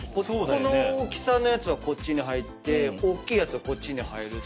この大きさのやつはこっちに入っておっきいやつはこっちに入る。